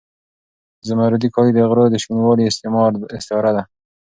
زمردي کالي د غرو د شینوالي استعاره ده.